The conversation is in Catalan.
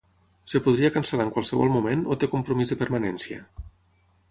Es podria cancel·lar en qualsevol moment o té compromís de permanència?